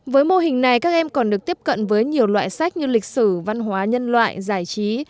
với mô hình này các em còn được tiếp cận với nhiều loại sách như lịch sử văn hóa nhân loại giải trí